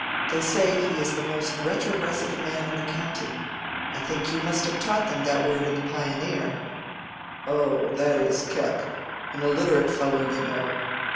They say he is the most retrogressive man in the county. I think you must have taught them that word in the 'Pioneer.'" "Oh, that is Keck—an illiterate fellow, you know.